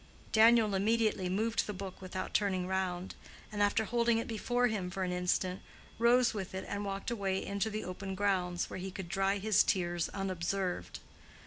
Daniel immediately moved the book without turning round, and after holding it before him for an instant, rose with it and walked away into the open grounds, where he could dry his tears unobserved.